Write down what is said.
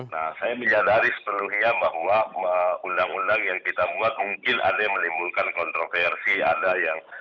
nah saya menyadari sepenuhnya bahwa undang undang yang kita buat mungkin ada yang menimbulkan kontroversi ada yang